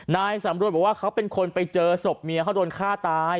นายสำรวจบอกว่าเขาเป็นคนไปเจอศพเมียเขาโดนฆ่าตาย